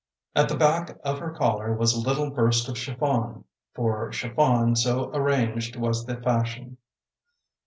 At the back of her collar was a little burst of chiffon; for chiffon so arranged was the fashion.